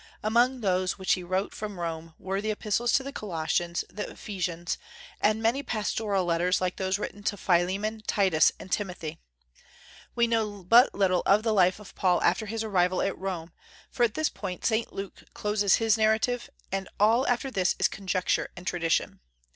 Among those which he wrote from Rome were the Epistles to the Colossians, the Ephesians, and many pastoral letters like those written to Philemon, Titus, and Timothy. We know but little of the life of Paul after his arrival at Rome, for at this point Saint Luke closes his narrative, and all after this is conjecture and tradition.